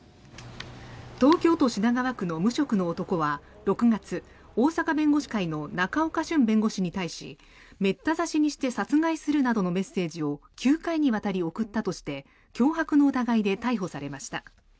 東京都品川区の無職の男は６月大阪弁護士会の仲岡しゅん弁護士に対しめった刺しにして殺害するなどのメッセージを９回にわたり送ったとして脅迫の疑いで逮捕されました。